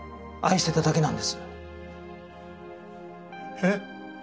えっ？